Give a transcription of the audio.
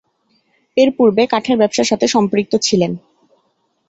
এরপূর্বে কাঠের ব্যবসার সাথে সম্পৃক্ত ছিলেন।